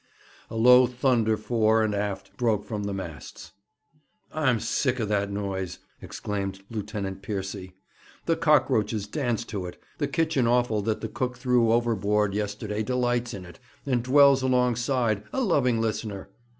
A low thunder fore and aft broke from the masts. 'I'm sick of that noise!' exclaimed Lieutenant Piercy. 'The cockroaches dance to it. The kitchen offal that the cook threw overboard yesterday delights in it, and dwells alongside, a loving listener.